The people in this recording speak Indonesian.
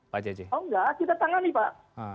pak jj oh enggak kita tangani pak